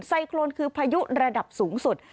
ไซโครนคือพายุระดับสูงสุด